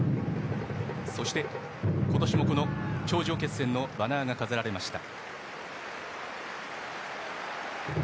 そして今年も頂上決戦のバナーが飾られました。